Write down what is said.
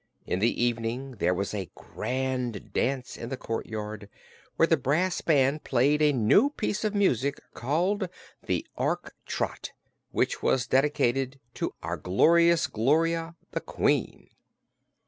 In the evening there was a grand dance in the courtyard, where the brass band played a new piece of music called the "Ork Trot" which was dedicated to "Our Glorious Gloria, the Queen."